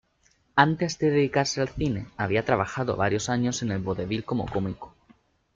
Antes de dedicarse al cine había trabajado varios años en el vodevil como cómico.